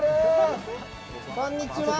こんにちは。